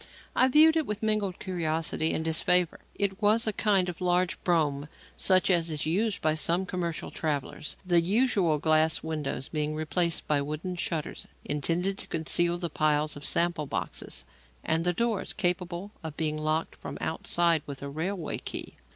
I viewed it with mingled curiosity and disfavour. It was a kind of large brougham, such as is used by some commercial travellers, the usual glass windows being replaced by wooden shutters intended to conceal the piles of sample boxes, and the doors capable of being locked from outside with a railway key.